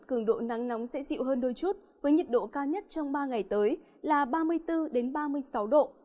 cường độ nắng nóng sẽ dịu hơn đôi chút với nhiệt độ cao nhất trong ba ngày tới là ba mươi bốn ba mươi sáu độ